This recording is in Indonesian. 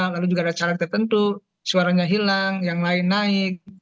lalu juga ada calon tertentu suaranya hilang yang lain naik